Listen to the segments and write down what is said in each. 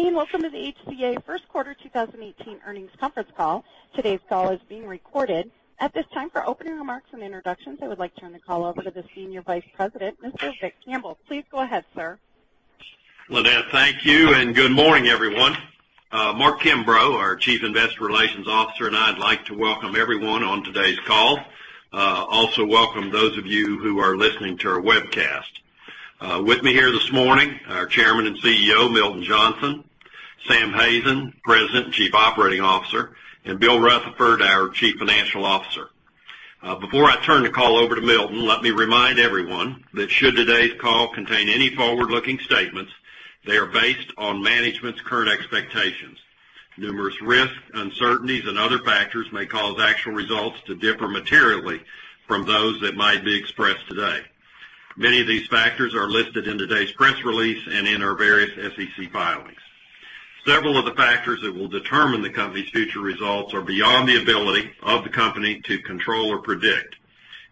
Good day, welcome to the HCA first quarter 2018 earnings conference call. Today's call is being recorded. At this time, for opening remarks and introductions, I would like to turn the call over to the Senior Vice President, Mr. Vic Campbell. Please go ahead, sir. Linette, thank you, good morning, everyone. Mark Kimbrough, our Chief Investor Relations Officer, and I'd like to welcome everyone on today's call. Also welcome those of you who are listening to our webcast. With me here this morning, our Chairman and CEO, Milton Johnson; Sam Hazen, President and Chief Operating Officer; and Bill Rutherford, our Chief Financial Officer. Before I turn the call over to Milton, let me remind everyone that should today's call contain any forward-looking statements, they are based on management's current expectations. Numerous risks, uncertainties, and other factors may cause actual results to differ materially from those that might be expressed today. Many of these factors are listed in today's press release and in our various SEC filings.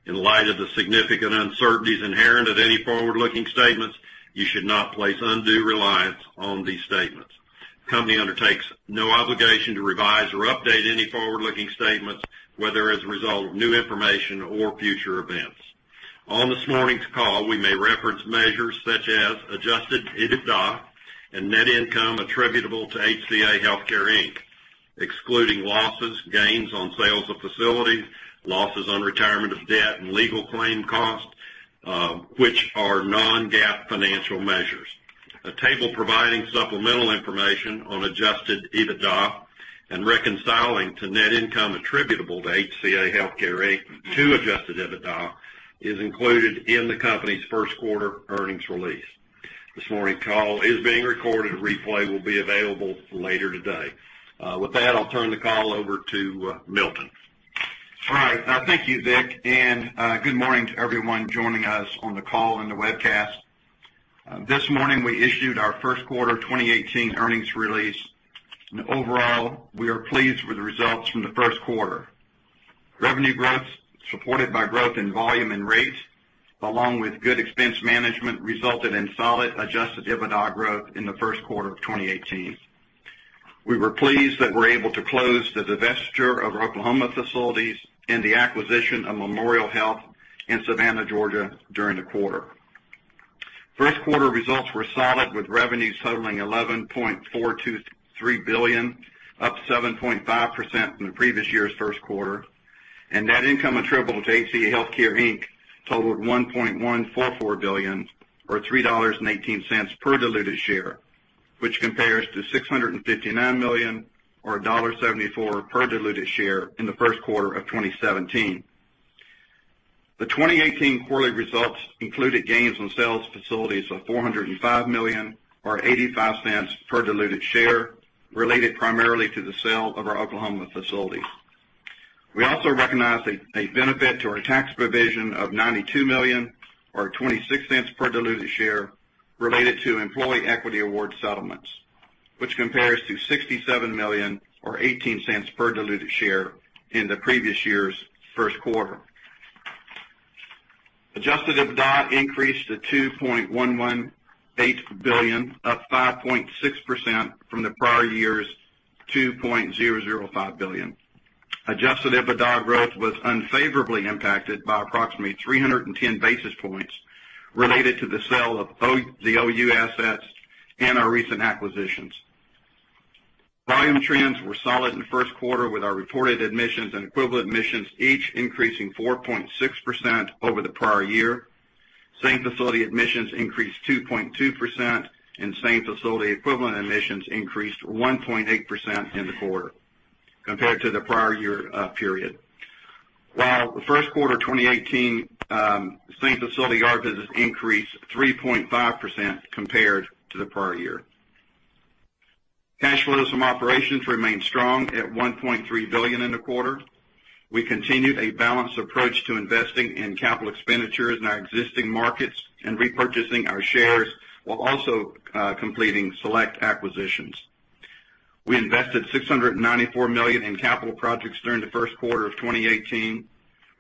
In light of the significant uncertainties inherent in any forward-looking statements, you should not place undue reliance on these statements. The company undertakes no obligation to revise or update any forward-looking statements, whether as a result of new information or future events. On this morning's call, we may reference measures such as adjusted EBITDA and net income attributable to HCA Healthcare, Inc., excluding losses, gains on sales of facilities, losses on retirement of debt, and legal claim costs, which are non-GAAP financial measures. A table providing supplemental information on adjusted EBITDA and reconciling to net income attributable to HCA Healthcare, Inc. to adjusted EBITDA is included in the company's first quarter earnings release. This morning's call is being recorded. A replay will be available later today. With that, I'll turn the call over to Milton. All right. Thank you, Vic, good morning to everyone joining us on the call and the webcast. This morning we issued our first quarter 2018 earnings release. Overall, we are pleased with the results from the first quarter. Revenue growth, supported by growth in volume and rates, along with good expense management, resulted in solid adjusted EBITDA growth in the first quarter of 2018. We were pleased that we were able to close the divestiture of our Oklahoma facilities and the acquisition of Memorial Health in Savannah, Georgia during the quarter. First quarter results were solid with revenues totaling $11.423 billion, up 7.5% from the previous year's first quarter. Net income attributable to HCA Healthcare, Inc. totaled $1.144 billion or $3.18 per diluted share, which compares to $659 million or $1.74 per diluted share in the first quarter of 2017. The 2018 quarterly results included gains on sales facilities of $405 million or $0.85 per diluted share, related primarily to the sale of our Oklahoma facilities. We also recognized a benefit to our tax provision of $92 million or $0.26 per diluted share related to employee equity award settlements, which compares to $67 million or $0.18 per diluted share in the previous year's first quarter. Adjusted EBITDA increased to $2.118 billion, up 5.6% from the prior year's $2.005 billion. Adjusted EBITDA growth was unfavorably impacted by approximately 310 basis points related to the sale of the OU assets and our recent acquisitions. Volume trends were solid in the first quarter with our reported admissions and equivalent admissions each increasing 4.6% over the prior year. Same-facility admissions increased 2.2%, and same-facility equivalent admissions increased 1.8% in the quarter compared to the prior year period. While the first quarter 2018 same-facility ER visits increased 3.5% compared to the prior year. Cash flow from operations remained strong at $1.3 billion in the quarter. We continued a balanced approach to investing in capital expenditures in our existing markets and repurchasing our shares while also completing select acquisitions. We invested $694 million in capital projects during the first quarter of 2018,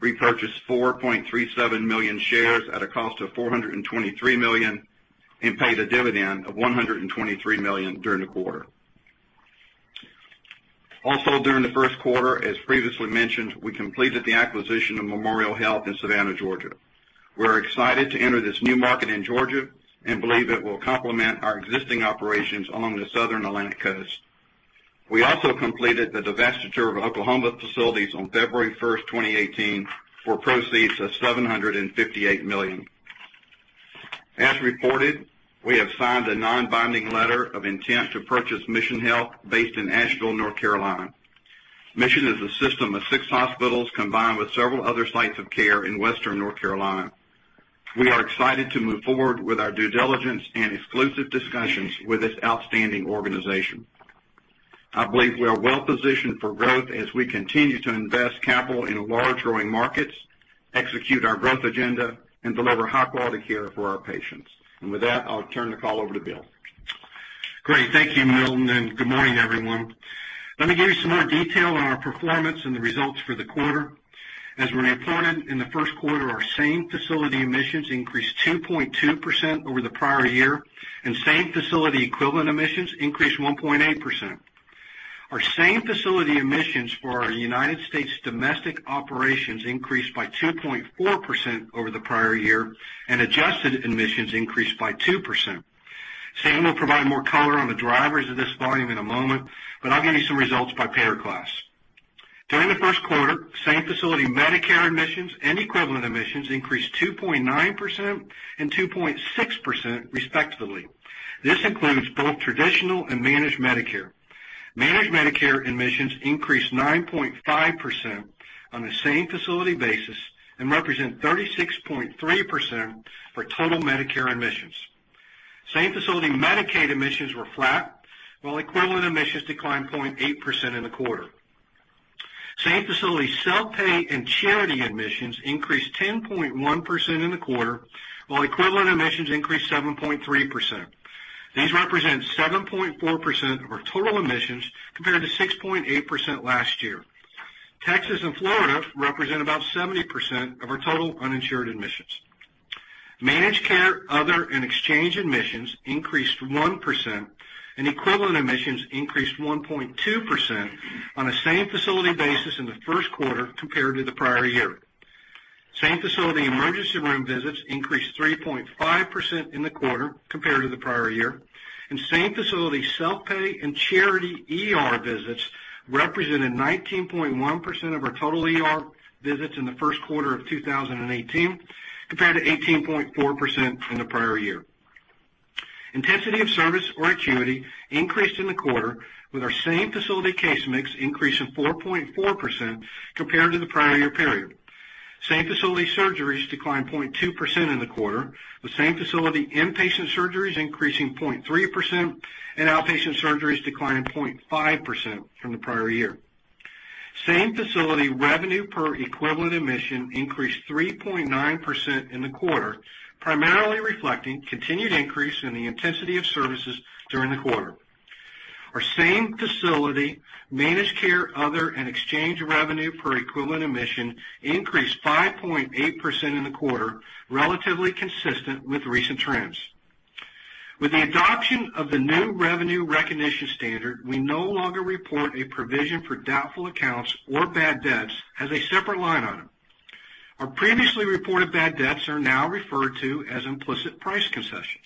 repurchased 4.37 million shares at a cost of $423 million, and paid a dividend of $123 million during the quarter. Also, during the first quarter, as previously mentioned, we completed the acquisition of Memorial Health in Savannah, Georgia. We're excited to enter this new market in Georgia and believe it will complement our existing operations along the southern Atlantic coast. We also completed the divestiture of Oklahoma facilities on February 1st, 2018, for proceeds of $758 million. As reported, we have signed a non-binding letter of intent to purchase Mission Health based in Asheville, North Carolina. Mission is a system of six hospitals combined with several other sites of care in western North Carolina. We are excited to move forward with our due diligence and exclusive discussions with this outstanding organization. I believe we are well positioned for growth as we continue to invest capital in large growing markets, execute our growth agenda, and deliver high-quality care for our patients. With that, I'll turn the call over to Bill. Great. Thank you, Milton, good morning, everyone. Let me give you some more detail on our performance and the results for the quarter. As we reported in the first quarter, our same facility admissions increased 2.2% over the prior year, and same facility equivalent admissions increased 1.8%. Our same facility admissions for our United States domestic operations increased by 2.4% over the prior year, and adjusted admissions increased by 2%. Sam will provide more color on the drivers of this volume in a moment, but I'll give you some results by payer class. During the first quarter, same facility Medicare admissions and equivalent admissions increased 2.9% and 2.6% respectively. This includes both traditional and managed Medicare. Managed Medicare admissions increased 9.5% on a same facility basis and represent 36.3% for total Medicare admissions. Same facility Medicaid admissions were flat, while equivalent admissions declined 0.8% in the quarter. Same facility self-pay and charity admissions increased 10.1% in the quarter, while equivalent admissions increased 7.3%. These represent 7.4% of our total admissions compared to 6.8% last year. Texas and Florida represent about 70% of our total uninsured admissions. Managed care other and exchange admissions increased 1%, and equivalent admissions increased 1.2% on a same facility basis in the first quarter compared to the prior year. Same facility emergency room visits increased 3.5% in the quarter compared to the prior year, and same facility self-pay and charity ER visits represented 19.1% of our total ER visits in the first quarter of 2018, compared to 18.4% in the prior year. Intensity of service or acuity increased in the quarter with our same facility case mix increasing 4.4% compared to the prior year period. Same facility surgeries declined 0.2% in the quarter, with same facility inpatient surgeries increasing 0.3%, and outpatient surgeries declining 0.5% from the prior year. Same facility revenue per equivalent admission increased 3.9% in the quarter, primarily reflecting continued increase in the intensity of services during the quarter. Our same facility managed care other and exchange revenue per equivalent admission increased 5.8% in the quarter, relatively consistent with recent trends. With the adoption of the new revenue recognition standard, we no longer report a provision for doubtful accounts or bad debts as a separate line item. Our previously reported bad debts are now referred to as implicit price concessions.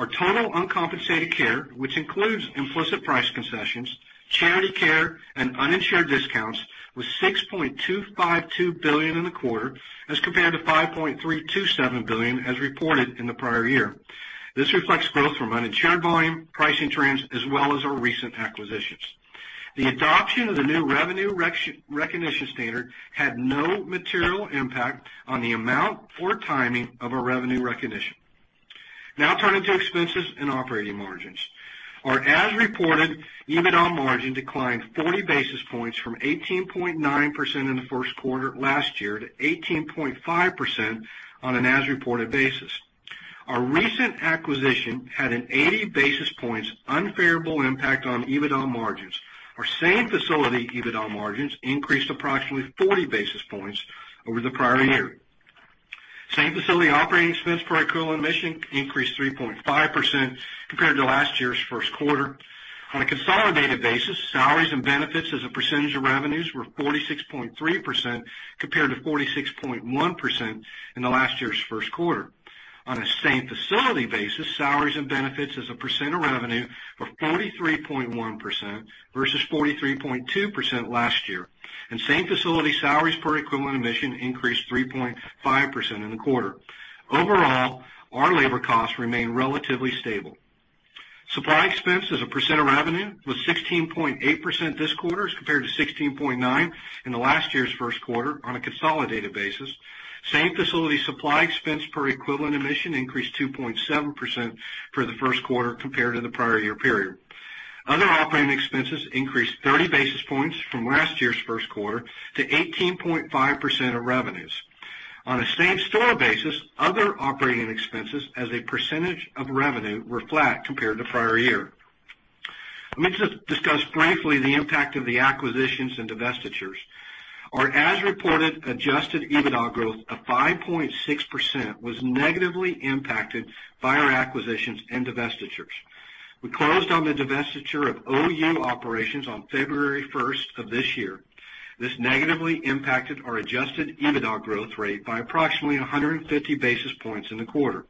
Our total uncompensated care, which includes implicit price concessions, charity care, and uninsured discounts, was $6.252 billion in the quarter as compared to $5.327 billion as reported in the prior year. This reflects growth from uninsured volume, pricing trends, as well as our recent acquisitions. The adoption of the new revenue recognition standard had no material impact on the amount or timing of our revenue recognition. Now turning to expenses and operating margins. Our as-reported EBITDA margin declined 40 basis points from 18.9% in the first quarter last year to 18.5% on an as-reported basis. Our recent acquisition had an 80 basis points unfavorable impact on EBITDA margins. Our same facility EBITDA margins increased approximately 40 basis points over the prior year. Same facility operating expense per equivalent admission increased 3.5% compared to last year's first quarter. On a consolidated basis, salaries and benefits as a percentage of revenues were 46.3% compared to 46.1% in the last year's first quarter. On a same facility basis, salaries and benefits as a percent of revenue were 43.1% versus 43.2% last year, and same facility salaries per equivalent admission increased 3.5% in the quarter. Overall, our labor costs remain relatively stable. Supply expense as a percent of revenue was 16.8% this quarter as compared to 16.9% in the last year's first quarter on a consolidated basis. Same facility supply expense per equivalent admission increased 2.7% for the first quarter compared to the prior year period. Other operating expenses increased 30 basis points from last year's first quarter to 18.5% of revenues. On a same-store basis, other operating expenses as a percentage of revenue were flat compared to prior year. Let me just discuss briefly the impact of the acquisitions and divestitures. Our as-reported adjusted EBITDA growth of 5.6% was negatively impacted by our acquisitions and divestitures. We closed on the divestiture of OU operations on February 1st of this year. This negatively impacted our adjusted EBITDA growth rate by approximately 150 basis points in the quarter.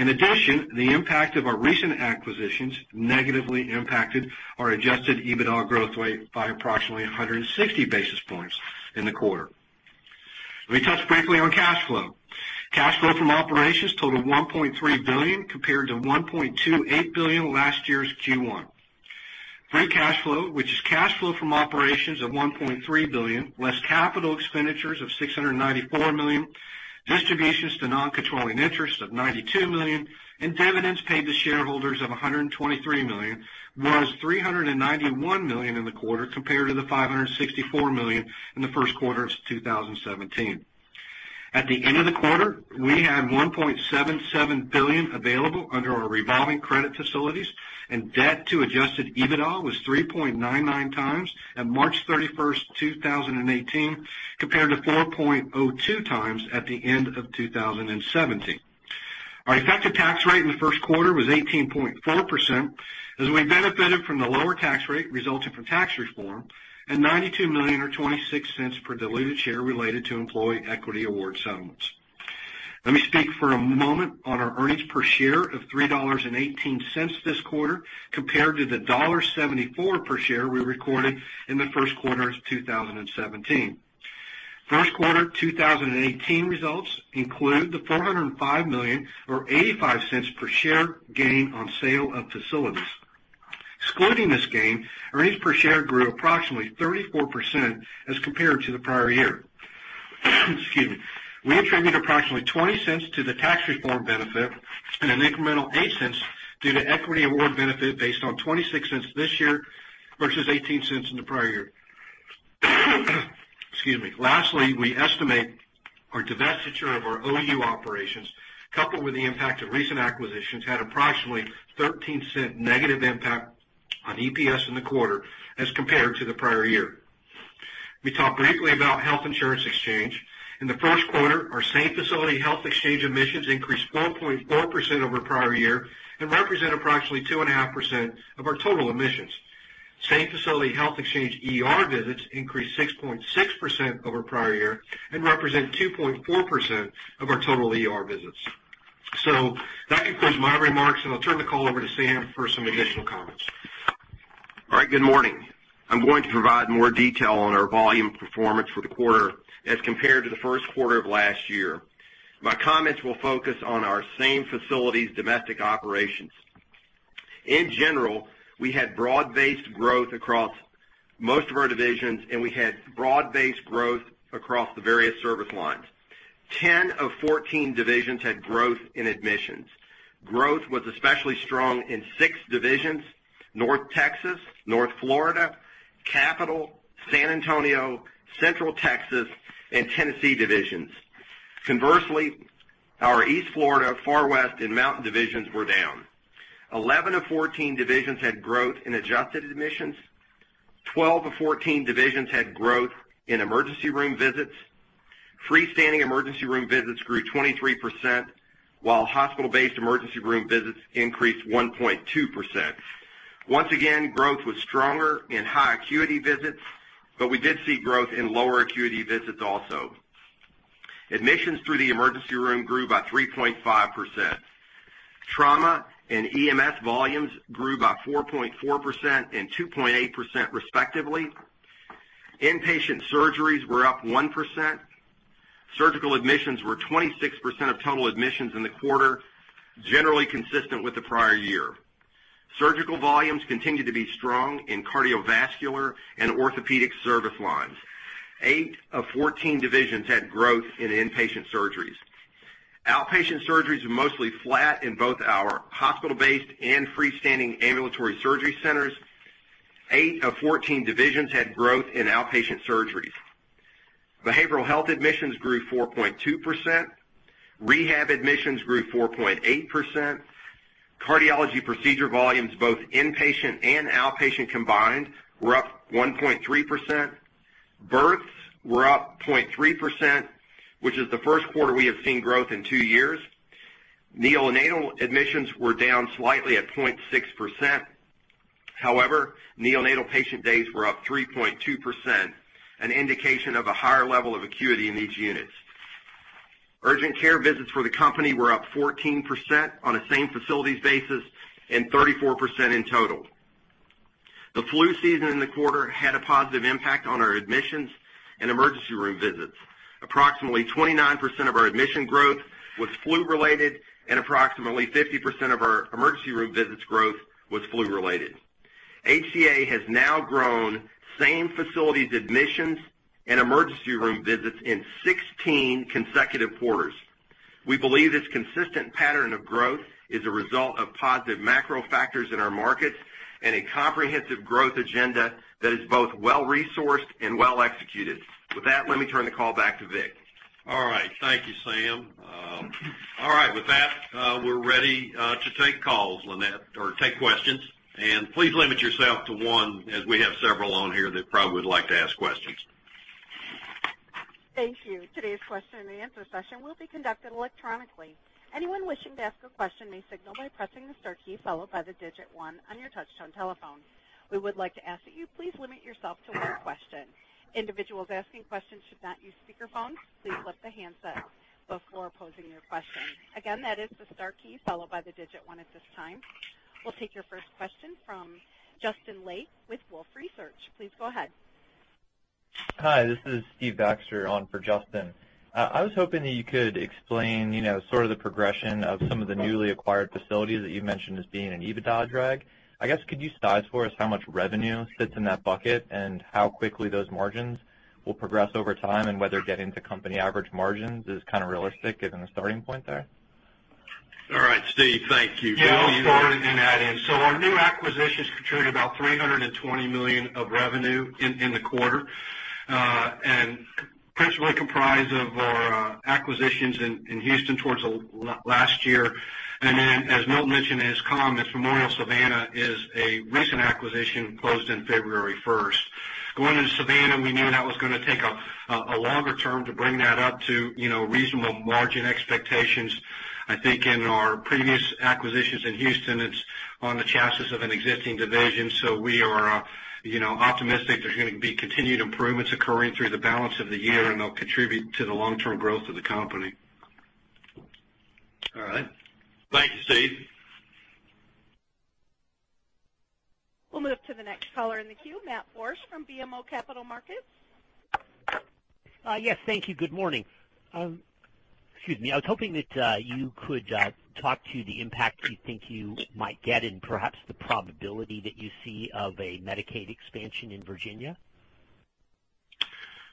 In addition, the impact of our recent acquisitions negatively impacted our adjusted EBITDA growth rate by approximately 160 basis points in the quarter. Let me touch briefly on cash flow. Cash flow from operations totaled $1.3 billion, compared to $1.28 billion last year's Q1. Free cash flow, which is cash flow from operations of $1.3 billion, less capital expenditures of $694 million, distributions to non-controlling interests of $92 million, and dividends paid to shareholders of $123 million, was $391 million in the quarter compared to the $564 million in the first quarter of 2017. At the end of the quarter, we had $1.77 billion available under our revolving credit facilities, and debt to adjusted EBITDA was 3.99 times at March 31st, 2018, compared to 4.02 times at the end of 2017. Our effective tax rate in the first quarter was 18.4% as we benefited from the lower tax rate resulting from tax reform and $92 million or $0.26 per diluted share related to employee equity award settlements. Let me speak for a moment on our earnings per share of $3.18 this quarter, compared to the $1.74 per share we recorded in the first quarter of 2017. First quarter 2018 results include the $405 million or $0.85 per share gain on sale of facilities. Excluding this gain, earnings per share grew approximately 34% as compared to the prior year. Excuse me. We attribute approximately $0.20 to the tax reform benefit and an incremental $0.08 due to equity award benefit based on $0.26 this year versus $0.18 in the prior year. Excuse me. Lastly, we estimate our divestiture of our OU operations, coupled with the impact of recent acquisitions, had approximately $0.13 negative impact on EPS in the quarter as compared to the prior year. We talked briefly about health insurance exchange. In the first quarter, our same-facility health exchange admissions increased 4.4% over prior year and represent approximately 2.5% of our total admissions. Same-facility health exchange ER visits increased 6.6% over prior year and represent 2.4% of our total ER visits. That concludes my remarks, and I'll turn the call over to Sam for some additional comments. All right. Good morning. I'm going to provide more detail on our volume performance for the quarter as compared to the first quarter of last year. My comments will focus on our same facilities' domestic operations. In general, we had broad-based growth across most of our divisions, and we had broad-based growth across the various service lines. 10 of 14 divisions had growth in admissions. Growth was especially strong in 6 divisions: North Texas, North Florida, Capital Division, San Antonio, Central Texas, and Tennessee divisions. Conversely, our East Florida, Far West, and Mountain divisions were down. 11 of 14 divisions had growth in adjusted admissions. 12 of 14 divisions had growth in emergency room visits. Freestanding emergency room visits grew 23%, while hospital-based emergency room visits increased 1.2%. Once again, growth was stronger in high-acuity visits, but we did see growth in lower acuity visits also. Admissions through the emergency room grew by 3.5%. Trauma and EMS volumes grew by 4.4% and 2.8% respectively. Inpatient surgeries were up 1%. Surgical admissions were 26% of total admissions in the quarter, generally consistent with the prior year. Surgical volumes continued to be strong in cardiovascular and orthopedic service lines. 8 of 14 divisions had growth in inpatient surgeries. Outpatient surgeries were mostly flat in both our hospital-based and freestanding ambulatory surgery centers. 8 of 14 divisions had growth in outpatient surgeries. Behavioral health admissions grew 4.2%. Rehab admissions grew 4.8%. Cardiology procedure volumes, both inpatient and outpatient combined, were up 1.3%. Births were up 0.3%, which is the first quarter we have seen growth in 2 years. Neonatal admissions were down slightly at 0.6%. However, neonatal patient days were up 3.2%, an indication of a higher level of acuity in these units. Urgent care visits for the company were up 14% on a same facilities basis and 34% in total. The flu season in the quarter had a positive impact on our admissions and emergency room visits. Approximately 29% of our admission growth was flu related, and approximately 50% of our emergency room visits growth was flu related. HCA Healthcare has now grown same facilities admissions and emergency room visits in 16 consecutive quarters. We believe this consistent pattern of growth is a result of positive macro factors in our markets and a comprehensive growth agenda that is both well-resourced and well-executed. With that, let me turn the call back to Vic. All right. Thank you, Sam. All right, with that, we're ready to take calls, or take questions, and please limit yourself to one as we have several on here that probably would like to ask questions. Thank you. Today's question and answer session will be conducted electronically. Anyone wishing to ask a question may signal by pressing the star key followed by the digit 1 on your touchtone telephone. We would like to ask that you please limit yourself to one question. Individuals asking questions should not use speakerphone. Please flip the handset before posing your question. Again, that is the star key followed by the digit 1 at this time. We'll take your first question from Justin Lake with Wolfe Research. Please go ahead. Hi, this is Steve Baxter on for Justin. I was hoping that you could explain sort of the progression of some of the newly acquired facilities that you mentioned as being an EBITDA drag. I guess, could you size for us how much revenue sits in that bucket and how quickly those margins will progress over time and whether getting to company average margins is kind of realistic given the starting point there? All right, Steve, thank you. I'll start and then add in. Our new acquisitions contributed about $320 million of revenue in the quarter, and principally comprised of our acquisitions in Houston towards last year. Then, as Milt mentioned in his comments, Memorial Savannah is a recent acquisition closed in February 1st. Going into Savannah, we knew that was going to take a longer term to bring that up to reasonable margin expectations. I think in our previous acquisitions in Houston, it's on the chassis of an existing division, so we are optimistic there's going to be continued improvements occurring through the balance of the year, and they'll contribute to the long-term growth of the company. All right. Thank you, Steve. We'll move to the next caller in the queue, Matt Borsch from BMO Capital Markets. Yes, thank you. Good morning. Excuse me. I was hoping that you could talk to the impact you think you might get and perhaps the probability that you see of a Medicaid expansion in Virginia.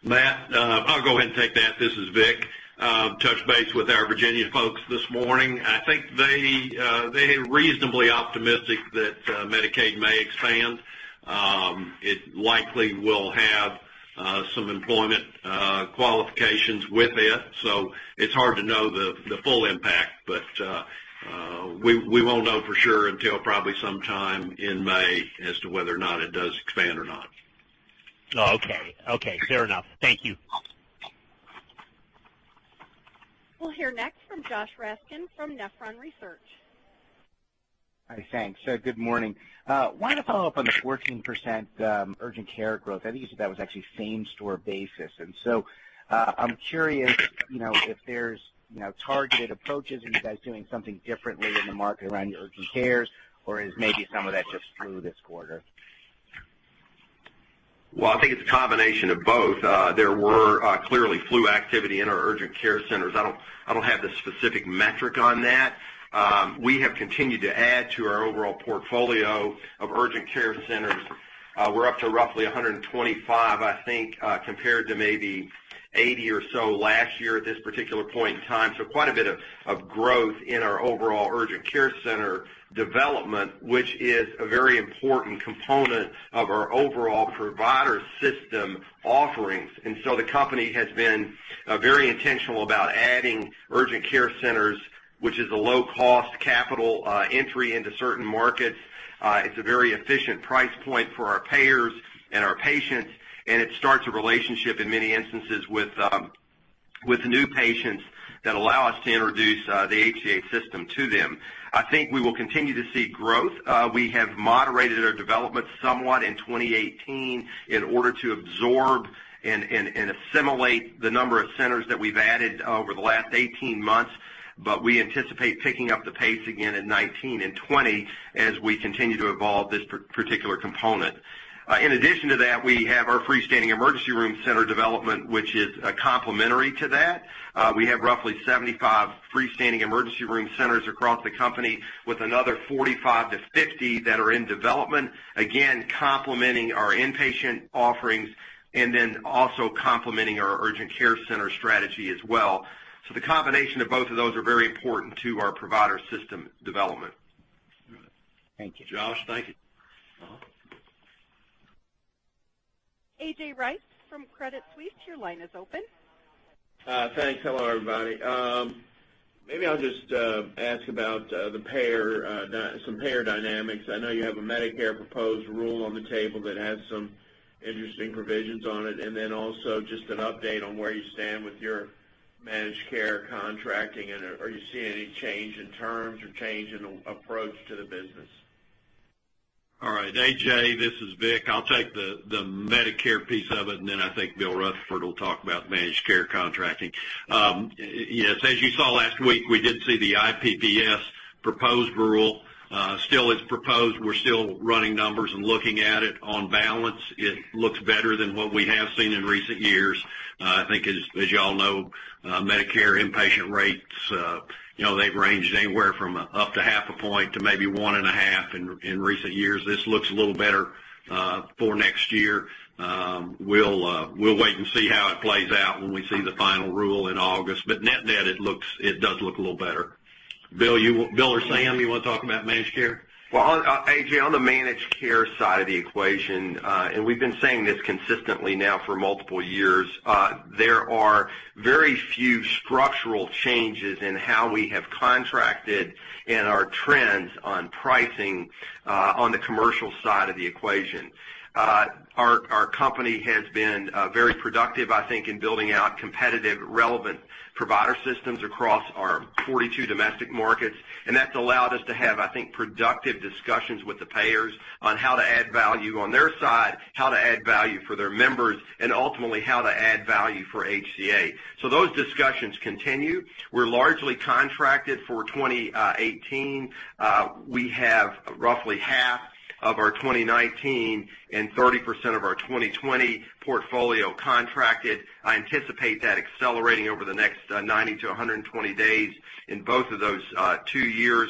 Matt, I'll go ahead and take that. This is Vic. Touched base with our Virginia folks this morning. I think they are reasonably optimistic that Medicaid may expand. It likely will have some employment qualifications with it, so it's hard to know the full impact. We won't know for sure until probably sometime in May as to whether or not it does expand or not. Oh, okay. Okay. Fair enough. Thank you. We'll hear next from Joshua Raskin from Nephron Research. Hi, thanks. Good morning. Wanted to follow up on the 14% urgent care growth. I think you said that was actually same-store basis. I'm curious if there's targeted approaches. Are you guys doing something differently in the market around your urgent cares, or is maybe some of that just flu this quarter? I think it's a combination of both. There were clearly flu activity in our urgent care centers. I don't have the specific metric on that. We have continued to add to our overall portfolio of urgent care centers. We're up to roughly 125, I think, compared to maybe 80 or so last year at this particular point in time. Quite a bit of growth in our overall urgent care center development, which is a very important component of our overall provider system offerings. The company has been very intentional about adding urgent care centers, which is a low-cost capital entry into certain markets. It's a very efficient price point for our payers and our patients, and it starts a relationship in many instances with new patients that allow us to introduce the HCA system to them. I think we will continue to see growth. We have moderated our development somewhat in 2018 in order to absorb and assimilate the number of centers that we've added over the last 18 months. We anticipate picking up the pace again in 2019 and 2020 as we continue to evolve this particular component. In addition to that, we have our freestanding emergency room center development, which is complementary to that. We have roughly 75 freestanding emergency room centers across the company with another 45 to 50 that are in development, again, complementing our inpatient offerings and then also complementing our urgent care center strategy as well. The combination of both of those are very important to our provider system development. Thank you. Josh, thank you. A.J. Rice from Credit Suisse, your line is open. Thanks. Hello, everybody. Maybe I'll just ask about some payer dynamics. I know you have a Medicare proposed rule on the table that has some interesting provisions on it, and then also just an update on where you stand with your managed care contracting. Are you seeing any change in terms or change in approach to the business? All right. A.J., this is Vic. I'll take the Medicare piece of it, and then I think Bill Rutherford will talk about managed care contracting. Yes, as you saw last week, we did see the IPPS proposed rule. Still, it's proposed. We're still running numbers and looking at it. On balance, it looks better than what we have seen in recent years. I think, as you all know, Medicare inpatient rates, they've ranged anywhere from up to half a point to maybe one and a half in recent years. This looks a little better for next year. We'll wait and see how it plays out when we see the final rule in August. Net, it does look a little better. Bill or Sam, you want to talk about managed care? Well, A.J., on the managed care side of the equation, we've been saying this consistently now for multiple years, there are very few structural changes in how we have contracted and our trends on pricing on the commercial side of the equation. Our company has been very productive, I think, in building out competitive, relevant provider systems across our 42 domestic markets, and that's allowed us to have, I think, productive discussions with the payers on how to add value on their side, how to add value for their members, and ultimately how to add value for HCA. Those discussions continue. We're largely contracted for 2018. We have roughly half of our 2019 and 30% of our 2020 portfolio contracted. I anticipate that accelerating over the next 90 to 120 days in both of those two years.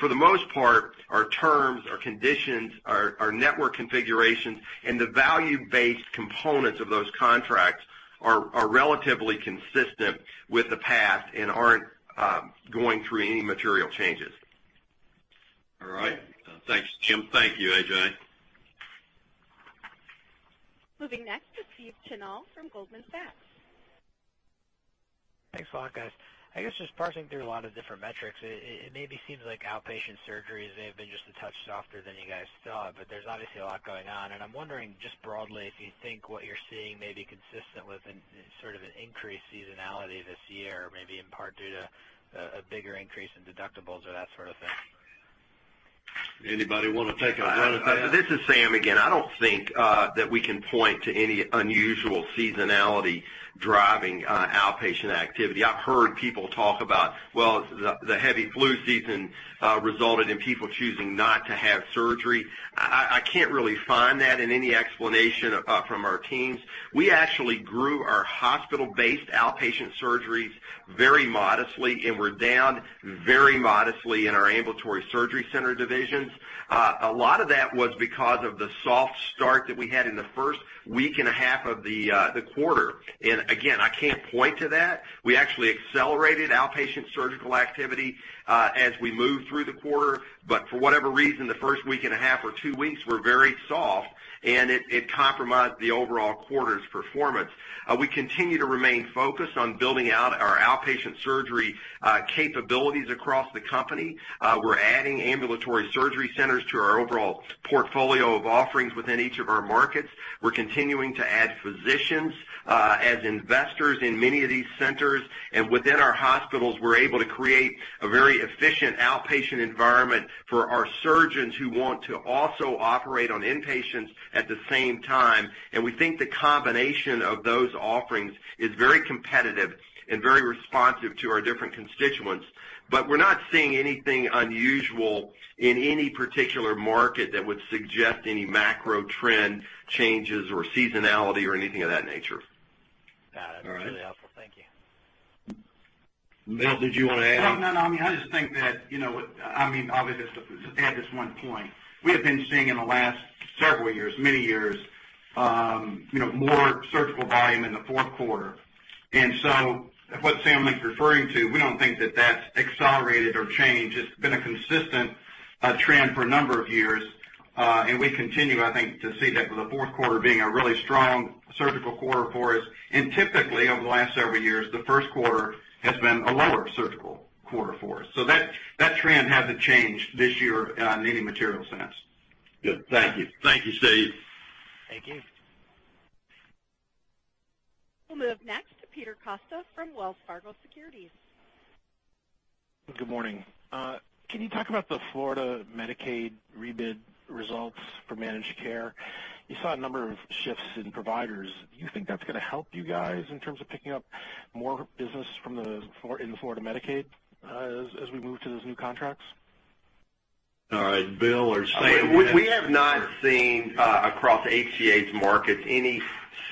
For the most part, our terms, our conditions, our network configurations, and the value-based components of those contracts are relatively consistent with the past and aren't going through any material changes. All right. Thanks, Sam. Thank you, A.J. Moving next to Stephen Tanal from Goldman Sachs. Thanks a lot, guys. I guess just parsing through a lot of different metrics, it maybe seems like outpatient surgeries may have been just a touch softer than you guys thought, but there's obviously a lot going on. I'm wondering, just broadly, if you think what you're seeing may be consistent with an increase seasonality this year, maybe in part due to a bigger increase in deductibles or that sort of thing. Anybody want to take a run at that? This is Sam again. I don't think that we can point to any unusual seasonality driving outpatient activity. I've heard people talk about, "Well, the heavy flu season resulted in people choosing not to have surgery." I can't really find that in any explanation from our teams. We actually grew our hospital-based outpatient surgeries very modestly, and we're down very modestly in our ambulatory surgery center divisions. A lot of that was because of the soft start that we had in the first week and a half of the quarter. Again, I can't point to that. We actually accelerated outpatient surgical activity as we moved through the quarter. For whatever reason, the first week and a half or two weeks were very soft, and it compromised the overall quarter's performance. We continue to remain focused on building out our outpatient surgery capabilities across the company. We're adding ambulatory surgery centers to our overall portfolio of offerings within each of our markets. We're continuing to add physicians as investors in many of these centers. Within our hospitals, we're able to create a very efficient outpatient environment for our surgeons who want to also operate on inpatients at the same time. We think the combination of those offerings is very competitive and very responsive to our different constituents. We're not seeing anything unusual in any particular market that would suggest any macro trend changes or seasonality or anything of that nature. Got it. All right. Really helpful. Thank you. Bill, did you want to add? No, I mean, obviously, just to add this one point. We have been seeing in the last several years, many years, more surgical volume in the fourth quarter. What Sam is referring to, we don't think that's accelerated or changed. It's been a consistent trend for a number of years. We continue, I think, to see that with the fourth quarter being a really strong surgical quarter for us, and typically over the last several years, the first quarter has been a lower surgical quarter for us. That trend hasn't changed this year in any material sense. Good. Thank you. Thank you, Steve. Thank you. We'll move next to Peter Costa from Wells Fargo Securities. Good morning. Can you talk about the Florida Medicaid rebid results for managed care? You saw a number of shifts in providers. Do you think that's going to help you guys in terms of picking up more business in the Florida Medicaid as we move to those new contracts? All right. Bill or Sam? We have not seen, across HCA's markets,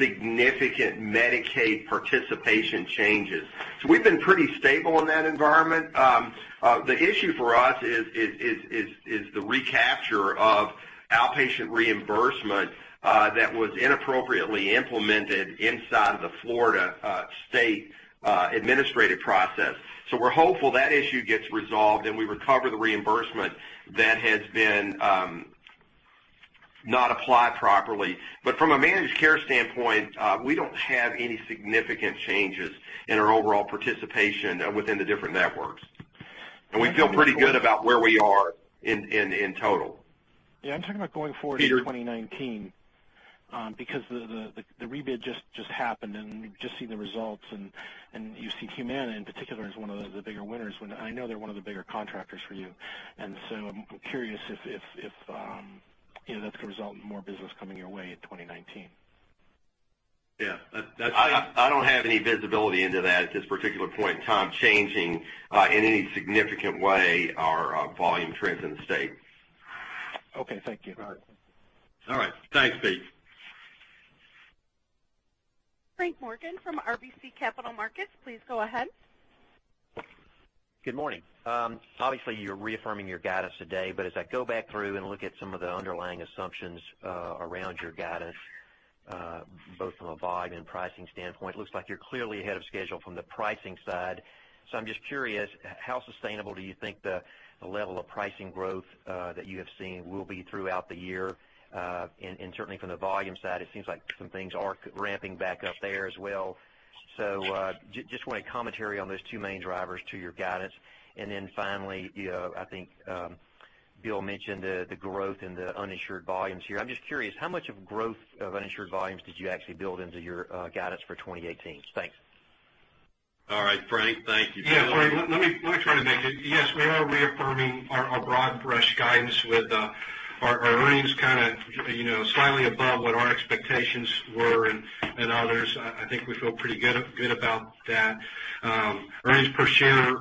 any significant Medicaid participation changes. We've been pretty stable in that environment. The issue for us is the recapture of outpatient reimbursement that was inappropriately implemented inside the Florida state administrative process. We're hopeful that issue gets resolved and we recover the reimbursement that has been not applied properly. From a managed care standpoint, we don't have any significant changes in our overall participation within the different networks. We feel pretty good about where we are in total. Yeah, I'm talking about going forward into 2019 because the rebid just happened, and we've just seen the results, and you see Humana in particular as one of the bigger winners, when I know they're one of the bigger contractors for you. I'm curious if that's going to result in more business coming your way in 2019. Yeah. I don't have any visibility into that at this particular point in time changing in any significant way our volume trends in the state. Okay. Thank you. All right. Thanks, Pete. Frank Morgan from RBC Capital Markets, please go ahead. Good morning. Obviously, you're reaffirming your guidance today, As I go back through and look at some of the underlying assumptions around your guidance, both from a volume and pricing standpoint, looks like you're clearly ahead of schedule from the pricing side. I'm just curious, how sustainable do you think the level of pricing growth that you have seen will be throughout the year? Certainly from the volume side, it seems like some things are ramping back up there as well. I just want a commentary on those two main drivers to your guidance. Finally, I think Bill mentioned the growth in the uninsured volumes here. I'm just curious, how much of growth of uninsured volumes did you actually build into your guidance for 2018? Thanks. All right. Frank, thank you. Yeah, Frank, let me try to make it. Yes, we are reaffirming our broad brush guidance with our earnings slightly above what our expectations were and others. I think we feel pretty good about that. Earnings per share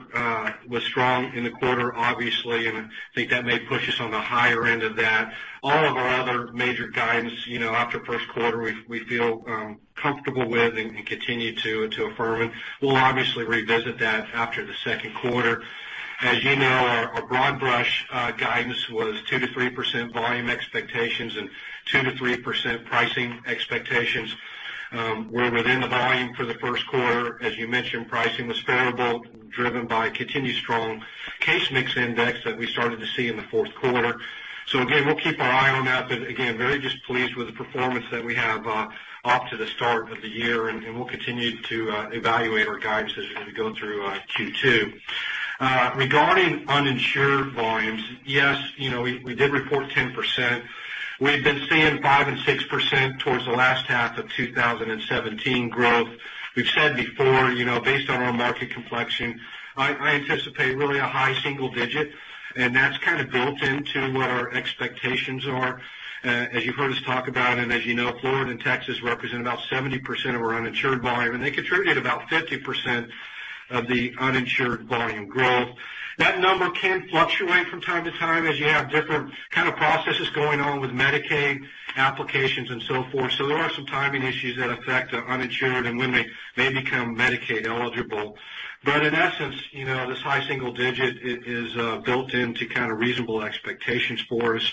was strong in the quarter, obviously, and I think that may push us on the higher end of that. All of our other major guidance after first quarter, we feel comfortable with and continue to affirm, and we'll obviously revisit that after the second quarter. As you know, our broad brush guidance was 2%-3% volume expectations and 2%-3% pricing expectations. We're within the volume for the first quarter. As you mentioned, pricing was favorable, driven by continued strong case mix index that we started to see in the fourth quarter. Again, we'll keep our eye on that, but again, very just pleased with the performance that we have off to the start of the year, and we'll continue to evaluate our guidance as we go through Q2. Regarding uninsured volumes, yes, we did report 10%. We had been seeing 5% and 6% towards the last half of 2017 growth. We've said before, based on our market complexion, I anticipate really a high single digit, and that's kind of built into what our expectations are. As you've heard us talk about, and as you know, Florida and Texas represent about 70% of our uninsured volume, and they contribute about 50% of the uninsured volume growth. That number can fluctuate from time to time as you have different kind of processes going on with Medicaid applications and so forth. There are some timing issues that affect the uninsured and when they may become Medicaid eligible. In essence, this high single digit is built into kind of reasonable expectations for us.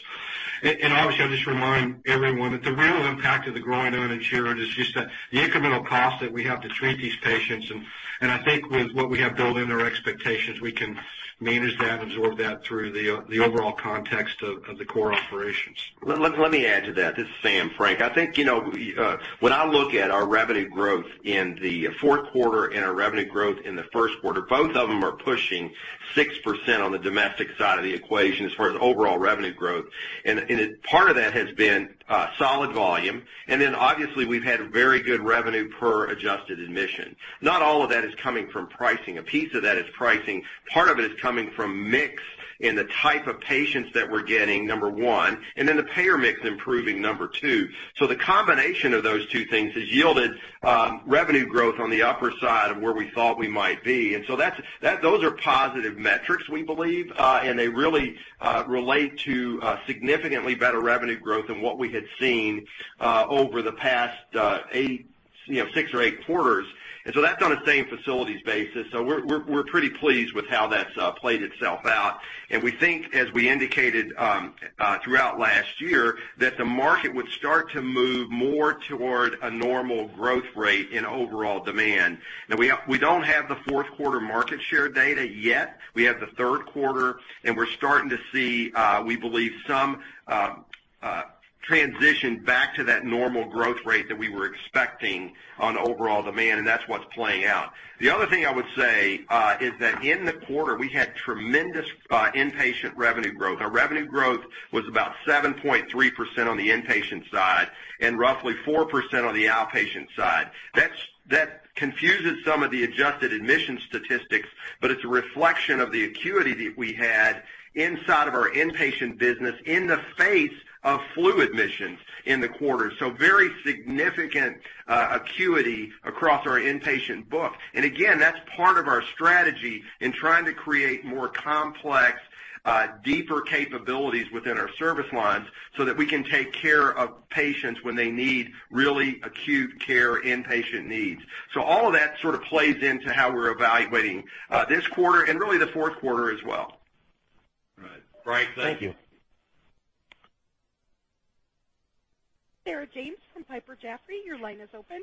Obviously, I'll just remind everyone that the real impact of the growing uninsured is just that the incremental cost that we have to treat these patients. I think with what we have built in our expectations, we can manage that and absorb that through the overall context of the core operations. Let me add to that. This is Sam. I think when I look at our revenue growth in the fourth quarter and our revenue growth in the first quarter, both of them are pushing 6% on the domestic side of the equation as far as overall revenue growth. Part of that has been solid volume. Obviously, we've had very good revenue per adjusted admission. Not all of that is coming from pricing. A piece of that is pricing. Part of it is coming from mix in the type of patients that we're getting, number 1, and then the payer mix improving, number 2. The combination of those two things has yielded revenue growth on the upper side of where we thought we might be. Those are positive metrics, we believe, and they really relate to significantly better revenue growth than what we had seen over the past six or eight quarters. That's on a same facilities basis. We're pretty pleased with how that's played itself out. We think, as we indicated throughout last year, that the market would start to move more toward a normal growth rate in overall demand. Now we don't have the fourth quarter market share data yet. We have the third quarter, and we're starting to see, we believe, some transition back to that normal growth rate that we were expecting on overall demand, and that's what's playing out. The other thing I would say is that in the quarter, we had tremendous inpatient revenue growth. Our revenue growth was about 7.3% on the inpatient side and roughly 4% on the outpatient side. That confuses some of the adjusted admission statistics, it's a reflection of the acuity that we had inside of our inpatient business in the face of flu admissions in the quarter. Very significant acuity across our inpatient book. Again, that's part of our strategy in trying to create more complex deeper capabilities within our service lines so that we can take care of patients when they need really acute care inpatient needs. All of that sort of plays into how we're evaluating this quarter and really the fourth quarter as well. All right. Frank, thank you. Sarah James from Piper Jaffray, your line is open.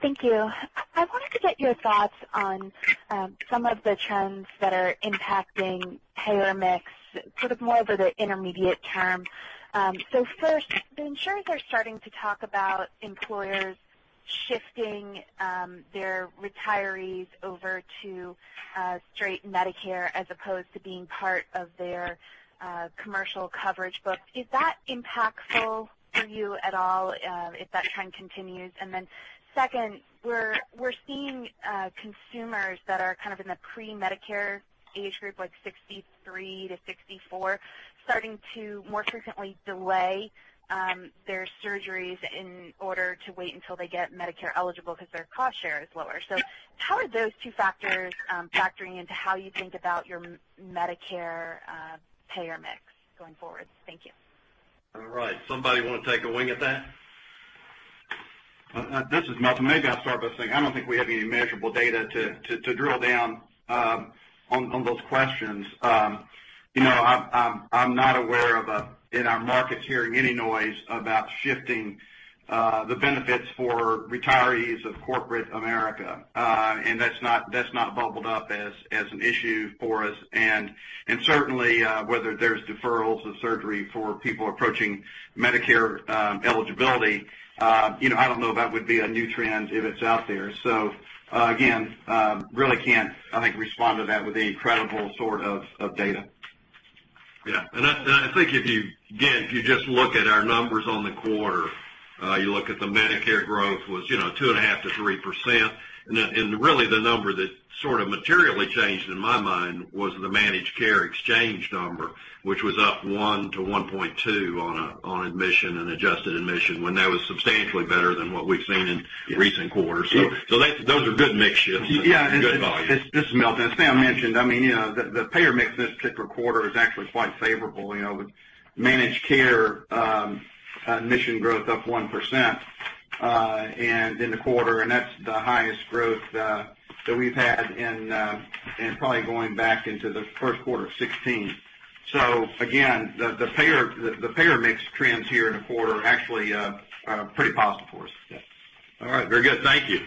Thank you. I wanted to get your thoughts on some of the trends that are impacting payer mix, sort of more over the intermediate term. First, the insurers are starting to talk about employers shifting their retirees over to straight Medicare as opposed to being part of their commercial coverage book. Is that impactful for you at all if that trend continues? Second, we're seeing consumers that are kind of in the pre-Medicare age group, like 63-64, starting to more frequently delay their surgeries in order to wait until they get Medicare eligible because their cost share is lower. How are those two factors factoring into how you think about your Medicare payer mix going forward? Thank you. All right. Somebody want to take a wing at that? This is Milton. Maybe I'll start by saying, I don't think we have any measurable data to drill down on those questions. I'm not aware of in our markets hearing any noise about shifting the benefits for retirees of corporate America. That's not bubbled up as an issue for us. Certainly, whether there's deferrals of surgery for people approaching Medicare eligibility, I don't know if that would be a new trend if it's out there. Again, really can't, I think, respond to that with any credible sort of data. Yeah. I think if you, again, if you just look at our numbers on the quarter, you look at the Medicare growth was 2.5%-3%. Really the number that sort of materially changed in my mind was the managed care exchange number, which was up 1 to 1.2 on admission and adjusted admission when that was substantially better than what we've seen in recent quarters. Those are good mix shifts and good volume. Yeah. This is Milton. As Sam mentioned, the payer mix this particular quarter is actually quite favorable with managed care admission growth up 1%. In the quarter, that's the highest growth that we've had in probably going back into the first quarter of 2016. Again, the payer mix trends here in the quarter are actually pretty positive for us. Yes. All right. Very good. Thank you.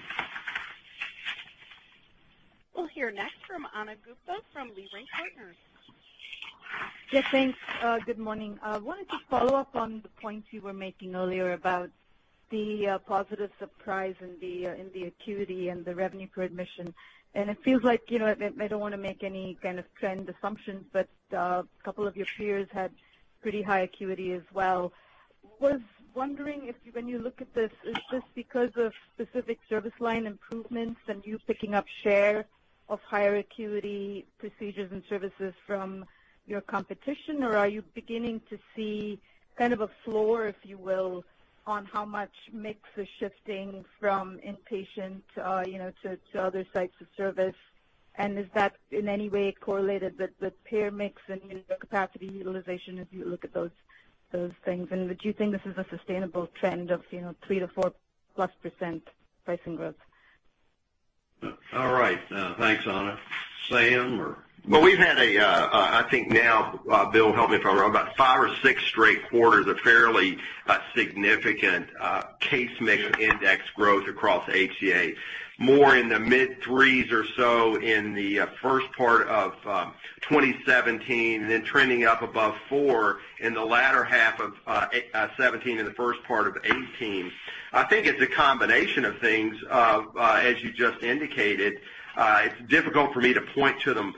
We'll hear next from Ana Gupte from Leerink Partners. Yes, thanks. Good morning. I wanted to follow up on the points you were making earlier about the positive surprise in the acuity and the revenue per admission. It feels like, I don't want to make any kind of trend assumptions, but a couple of your peers had pretty high acuity as well. Was wondering if when you look at this, is this because of specific service line improvements and you picking up share of higher acuity procedures and services from your competition, or are you beginning to see kind of a floor, if you will, on how much mix is shifting from inpatient to other sites of service? Is that in any way correlated with payer mix and in the capacity utilization as you look at those things? Would you think this is a sustainable trend of 3% to 4%-plus pricing growth? All right. Thanks, Ana. Sam. Well, we've had, I think now, Bill, help me if I'm wrong, about five or six straight quarters of fairly significant case mix index growth across HCA. More in the mid threes or so in the first part of 2017, and then trending up above four in the latter half of 2017 and the first part of 2018. I think it's a combination of things, as you just indicated. It's difficult for me to point to them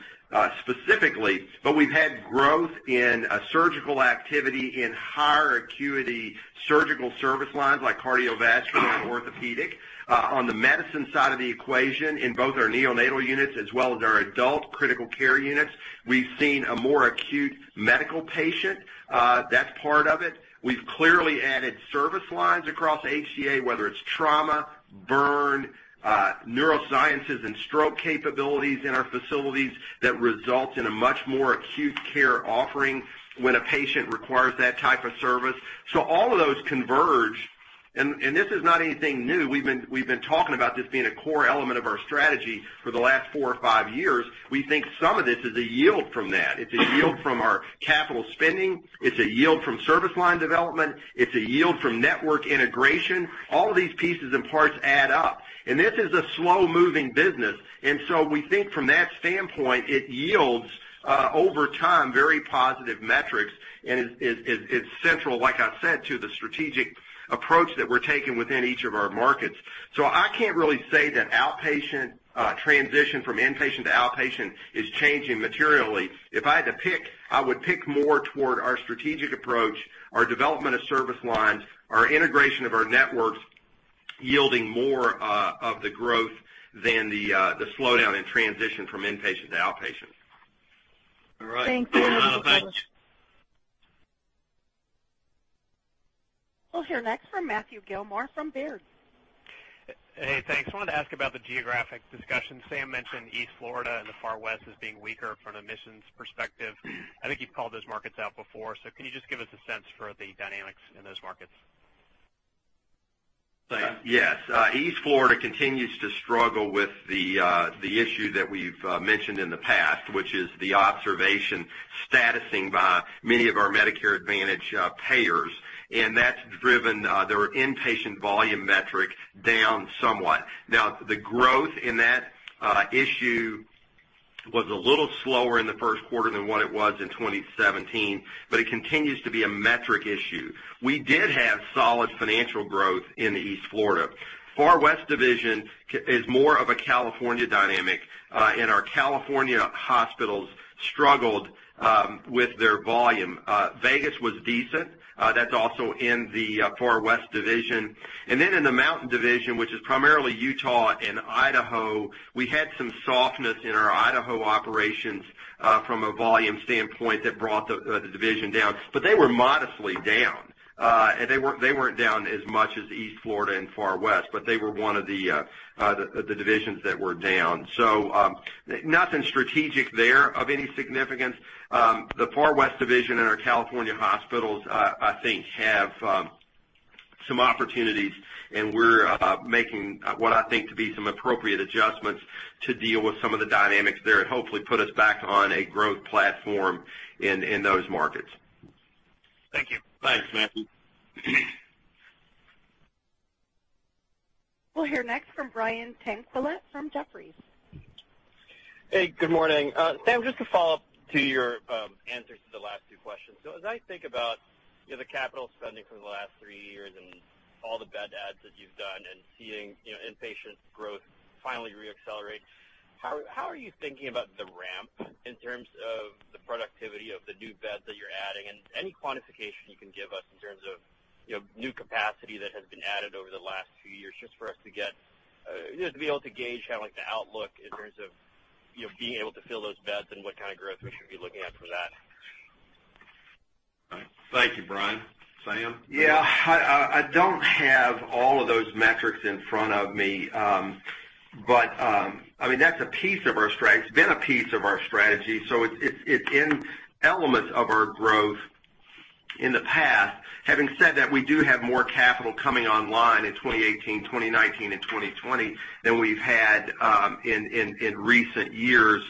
specifically, but we've had growth in surgical activity in higher acuity surgical service lines like cardiovascular and orthopedic. On the medicine side of the equation, in both our neonatal units as well as our adult critical care units, we've seen a more acute medical patient. That's part of it. We've clearly added service lines across HCA, whether it's trauma, burn, neurosciences and stroke capabilities in our facilities that result in a much more acute care offering when a patient requires that type of service. All of those converge, and this is not anything new. We've been talking about this being a core element of our strategy for the last four or five years. We think some of this is a yield from that. It's a yield from our capital spending. It's a yield from service line development. It's a yield from network integration. All of these pieces and parts add up. This is a slow-moving business. We think from that standpoint, it yields over time very positive metrics and is central, like I said, to the strategic approach that we're taking within each of our markets. I can't really say that transition from inpatient to outpatient is changing materially. If I had to pick, I would pick more toward our strategic approach, our development of service lines, our integration of our networks yielding more of the growth than the slowdown in transition from inpatient to outpatient. All right. Thanks. Ana, thanks. We'll hear next from Matthew Gillmor from Baird. Hey, thanks. I wanted to ask about the geographic discussion. Sam mentioned East Florida and the Far West as being weaker from an admissions perspective. I think you've called those markets out before, so can you just give us a sense for the dynamics in those markets? Thanks. Yes. East Florida continues to struggle with the issue that we've mentioned in the past, which is the observation statusing by many of our Medicare Advantage payers. That's driven their inpatient volume metric down somewhat. The growth in that issue was a little slower in the first quarter than what it was in 2017. It continues to be a metric issue. We did have solid financial growth in East Florida. Far West division is more of a California dynamic, and our California hospitals struggled with their volume. Vegas was decent. That's also in the Far West division. In the Mountain division, which is primarily Utah and Idaho, we had some softness in our Idaho operations from a volume standpoint that brought the division down. They were modestly down. They weren't down as much as East Florida and Far West, but they were one of the divisions that were down. Nothing strategic there of any significance. The Far West division in our California hospitals, I think have some opportunities, and we're making what I think to be some appropriate adjustments to deal with some of the dynamics there and hopefully put us back on a growth platform in those markets. Thank you. Thanks, Matthew. We'll hear next from Brian Tanquilut from Jefferies. Hey, good morning. Sam, just to follow up to your answers to the last two questions. As I think about the capital spending for the last three years and all the bed adds that you've done and seeing inpatient growth finally re-accelerate, how are you thinking about the ramp in terms of the productivity of the new beds that you're adding? Any quantification you can give us in terms of new capacity that has been added over the last few years, just for us to be able to gauge how the outlook in terms of being able to fill those beds and what kind of growth we should be looking at for that. Thank you, Brian. Sam? Yeah. I don't have all of those metrics in front of me. That's a piece of our strategy. It's been a piece of our strategy, so it's in elements of our growth in the past. Having said that, we do have more capital coming online in 2018, 2019, and 2020 than we've had in recent years.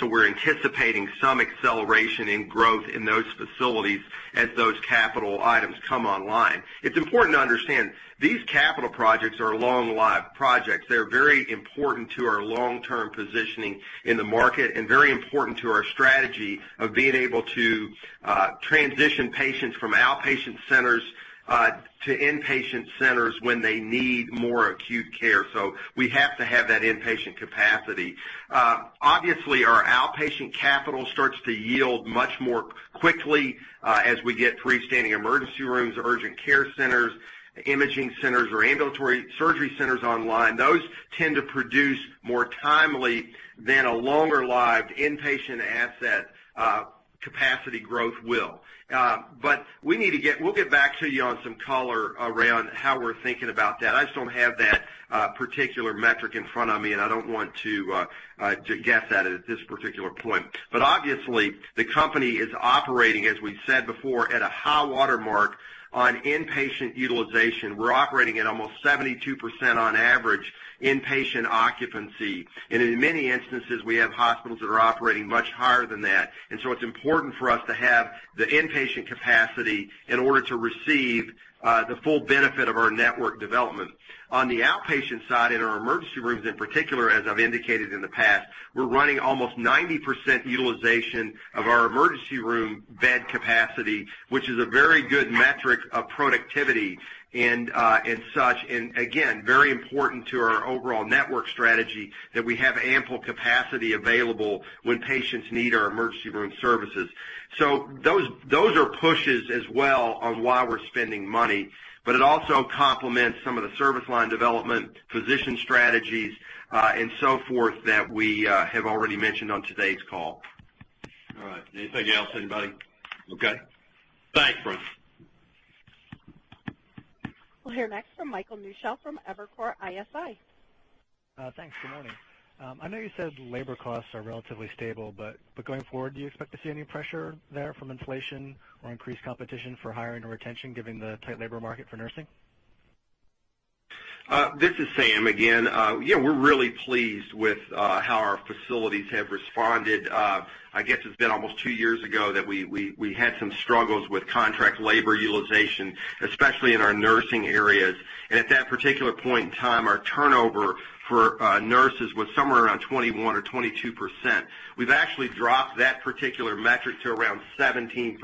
We're anticipating some acceleration in growth in those facilities as those capital items come online. It's important to understand, these capital projects are long-lived projects. They're very important to our long-term positioning in the market and very important to our strategy of being able to transition patients from outpatient centers to inpatient centers when they need more acute care. We have to have that inpatient capacity. Obviously, our outpatient capital starts to yield much more quickly as we get freestanding emergency rooms, urgent care centers, imaging centers, or ambulatory surgery centers online. Those tend to produce more timely than a longer-lived inpatient asset capacity growth will. We'll get back to you on some color around how we're thinking about that. I just don't have that particular metric in front of me, and I don't want to guess at it at this particular point. Obviously, the company is operating, as we said before, at a high water mark on inpatient utilization. We're operating at almost 72% on average inpatient occupancy. In many instances, we have hospitals that are operating much higher than that. It's important for us to have the inpatient capacity in order to receive the full benefit of our network development. On the outpatient side, in our emergency rooms in particular, as I've indicated in the past, we're running almost 90% utilization of our emergency room bed capacity, which is a very good metric of productivity and such. Again, very important to our overall network strategy that we have ample capacity available when patients need our emergency room services. Those are pushes as well on why we're spending money, but it also complements some of the service line development, physician strategies, and so forth that we have already mentioned on today's call. All right. Anything else, anybody? Okay, thanks, Brian. We'll hear next from Michael Newshel from Evercore ISI. Thanks. Good morning. I know you said labor costs are relatively stable, going forward, do you expect to see any pressure there from inflation or increased competition for hiring or retention, given the tight labor market for nursing? This is Sam again. Yeah, we're really pleased with how our facilities have responded. I guess it's been almost two years ago that we had some struggles with contract labor utilization, especially in our nursing areas. At that particular point in time, our turnover for nurses was somewhere around 21% or 22%. We've actually dropped that particular metric to around 17%.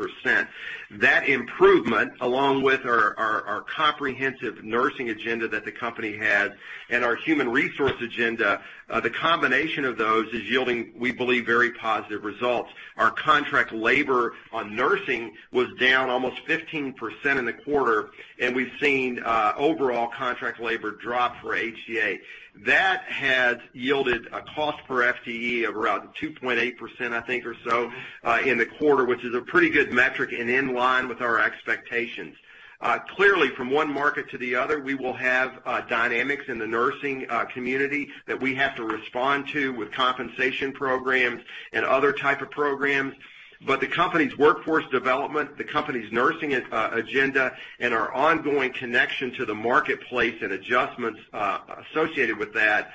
That improvement, along with our comprehensive nursing agenda that the company has and our human resource agenda, the combination of those is yielding, we believe, very positive results. Our contract labor on nursing was down almost 15% in the quarter, and we've seen overall contract labor drop for HCA. That has yielded a cost per FTE of around 2.8%, I think, or so in the quarter, which is a pretty good metric and in line with our expectations. Clearly, from one market to the other, we will have dynamics in the nursing community that we have to respond to with compensation programs and other type of programs. The company's workforce development, the company's nursing agenda, and our ongoing connection to the marketplace and adjustments associated with that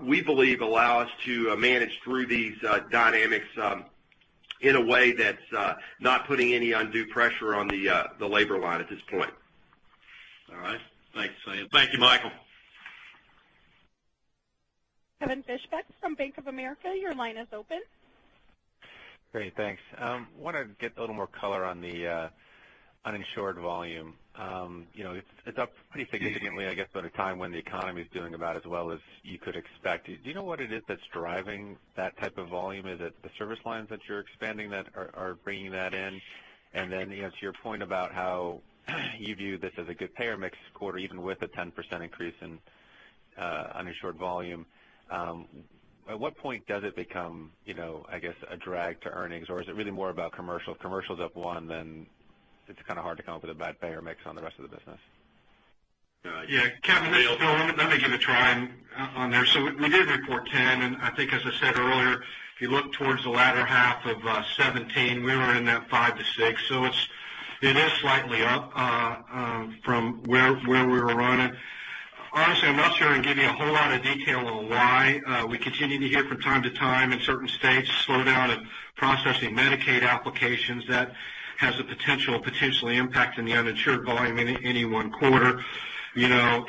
we believe allow us to manage through these dynamics in a way that's not putting any undue pressure on the labor line at this point. All right. Thanks, Sam. Thank you, Michael. Kevin Fischbeck from Bank of America, your line is open. Great. Thanks. Wanted to get a little more color on the uninsured volume. It's up pretty significantly, I guess, at a time when the economy is doing about as well as you could expect. Do you know what it is that's driving that type of volume? Is it the service lines that you're expanding that are bringing that in? To your point about how you view this as a good payer mix quarter, even with a 10% increase in uninsured volume, at what point does it become a drag to earnings? Is it really more about commercial? If commercial's up one, then it's kind of hard to come up with a bad payer mix on the rest of the business. Yeah. Kevin, this is Bill. Let me give it a try on there. We did report 10, and I think as I said earlier, if you look towards the latter half of 2017, we were in that five to six. It is slightly up from where we were running. Honestly, I'm not sure I can give you a whole lot of detail on why. We continue to hear from time to time in certain states, slowdown in processing Medicaid applications. That has a potential impact in the uninsured volume in any one quarter.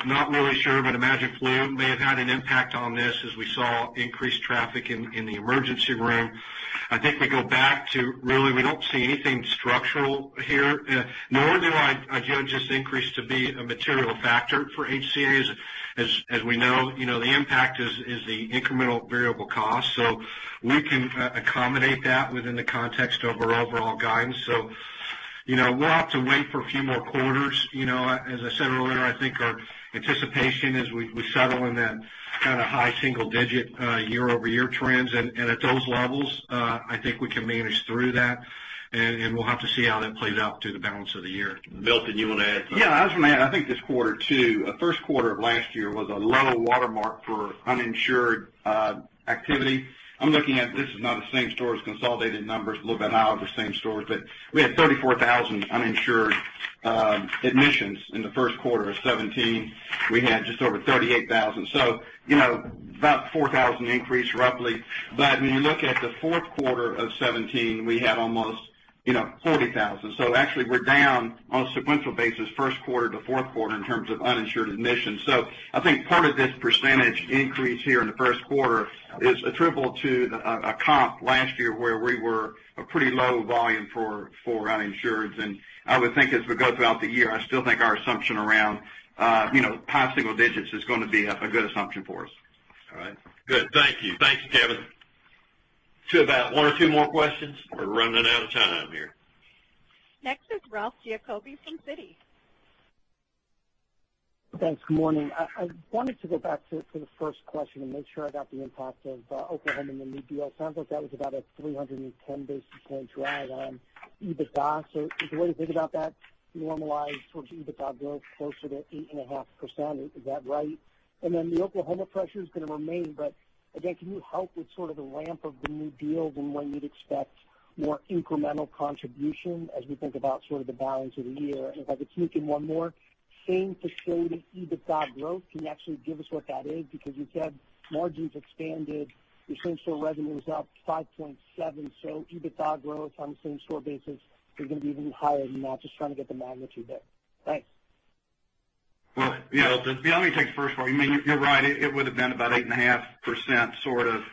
Not really sure, but imagine flu may have had an impact on this as we saw increased traffic in the emergency room. I think we go back to really, we don't see anything structural here, nor do I view just the increase to be a material factor for HCA as we know. The impact is the incremental variable cost. We can accommodate that within the context of our overall guidance. We'll have to wait for a few more quarters. As I said earlier, I think our anticipation is we settle in that kind of high single-digit year-over-year trends. At those levels, I think we can manage through that, and we'll have to see how that plays out through the balance of the year. Milton, you want to add something? Yeah, I just want to add, I think this quarter, too, first quarter of 2017 was a low watermark for uninsured activity. I'm looking at, this is not a same stores consolidated numbers, a little bit out of the same stores, but we had 34,000 uninsured admissions in the first quarter of 2017. We had just over 38,000. About 4,000 increase, roughly. When you look at the fourth quarter of 2017, we had almost 40,000. Actually, we're down on a sequential basis, first quarter to fourth quarter, in terms of uninsured admissions. I think part of this percentage increase here in the first quarter is attributable to a comp last year where we were a pretty low volume for uninsureds, and I would think as we go throughout the year, I still think our assumption around high single digits is going to be a good assumption for us. All right, good. Thank you. Thank you, Kevin. To about one or two more questions. We're running out of time here. Next is Ralph Giacobbe from Citi. Thanks. Good morning. I wanted to go back to the first question and make sure I got the impact of Oklahoma and the new deal. Sounds like that was about a 310 basis point drag on EBITDA. Is the way to think about that normalized towards EBITDA growth closer to 8.5%? Is that right? The Oklahoma pressure is going to remain, but again, can you help with sort of the ramp of the new deals and when you'd expect more incremental contribution as we think about sort of the balance of the year? If I could sneak in one more, same facility EBITDA growth, can you actually give us what that is? Because you said margins expanded, your same store revenue was up 5.7. EBITDA growth on the same store basis is going to be even higher than that. Just trying to get the magnitude there. Thanks. Well, yeah. Let me take the first part. You're right, it would've been about 8.5% sort of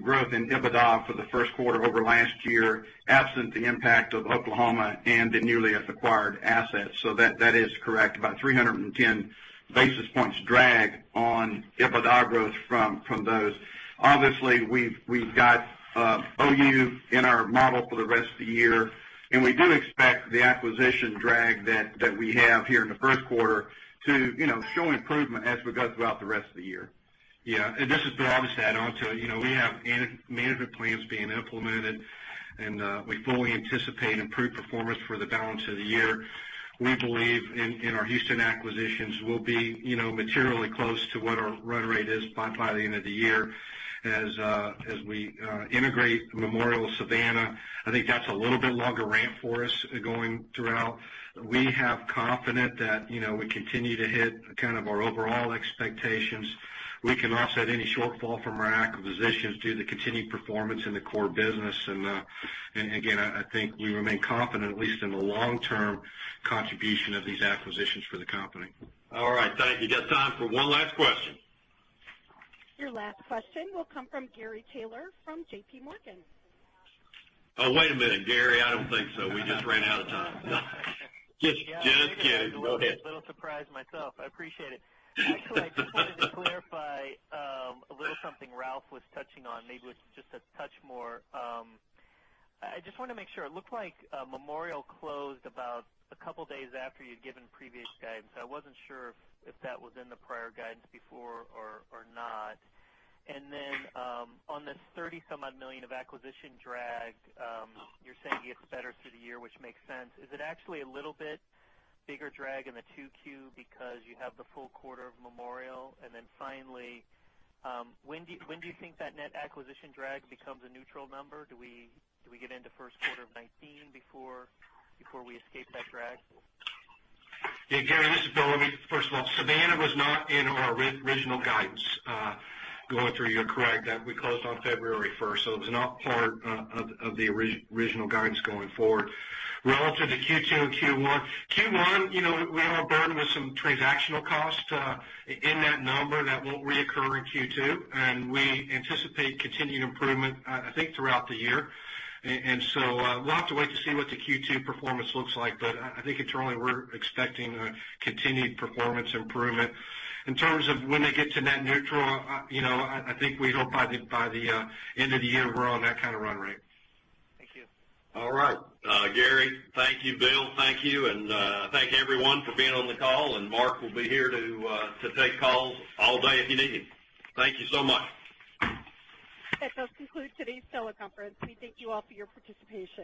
growth in EBITDA for the first quarter over last year, absent the impact of Oklahoma and the newly acquired assets. That is correct. About 310 basis points drag on EBITDA growth from those. Obviously, we've got OU in our model for the rest of the year, and we do expect the acquisition drag that we have here in the first quarter to show improvement as we go throughout the rest of the year. This is Bill. I'll just add on to it. We have management plans being implemented, and we fully anticipate improved performance for the balance of the year. We believe in our Houston acquisitions will be materially close to what our run rate is by the end of the year as we integrate Memorial Savannah. I think that's a little bit longer ramp for us going throughout. We have confident that we continue to hit kind of our overall expectations. We can offset any shortfall from our acquisitions due to continued performance in the core business. Again, I think we remain confident, at least in the long term, contribution of these acquisitions for the company. All right. Thank you. Got time for one last question. Your last question will come from Gary Taylor from J.P. Morgan. Wait a minute, Gary. I don't think so. We just ran out of time. Just kidding. Go ahead. A little surprised myself. I appreciate it. Actually, I just wanted to clarify a little something Ralph was touching on. Maybe with just a touch more. I just want to make sure. It looked like Memorial closed about a couple days after you'd given previous guidance. I wasn't sure if that was in the prior guidance before or not. On this 30 some odd million of acquisition drag, you're saying it gets better through the year, which makes sense. Is it actually a little bit bigger drag in the 2Q because you have the full quarter of Memorial? Finally, when do you think that net acquisition drag becomes a neutral number? Do we get into first quarter of 2019 before we escape that drag? Yeah, Gary, this is Bill. Let me First of all, Savannah was not in our original guidance. Going through, you're correct that we closed on February 1st, so it was not part of the original guidance going forward. Relative to Q2 and Q1. Q1, we are burdened with some transactional costs in that number that won't reoccur in Q2, and we anticipate continued improvement, I think, throughout the year. We'll have to wait to see what the Q2 performance looks like. I think internally, we're expecting a continued performance improvement. In terms of when they get to net neutral, I think we hope by the end of the year, we're on that kind of run rate. Thank you. All right. Gary, thank you, Bill, thank you. Thank everyone for being on the call. Mark will be here to take calls all day if you need him. Thank you so much. That does conclude today's teleconference. We thank you all for your participation.